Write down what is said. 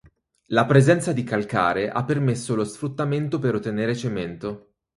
La presenza di calcare ha permesso lo sfruttamento per ottenere cemento.